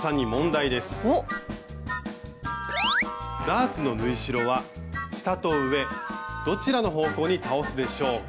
ダーツの縫い代は下と上どちらの方向に倒すでしょうか？